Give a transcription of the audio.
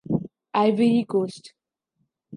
Ivory Coast